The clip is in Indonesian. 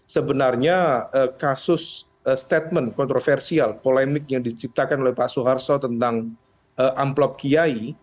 sebenarnya kasus statement kontroversial polemik yang diciptakan oleh pak soeharto tentang amplop kiai